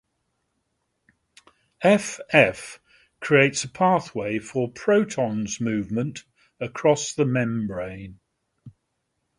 F F creates a pathway for protons movement across the membrane.